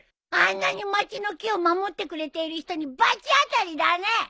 あんなに町の木を守ってくれている人に罰当たりだね。